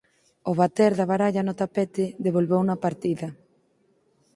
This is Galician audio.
O bater da baralla no tapete devolveuno á partida.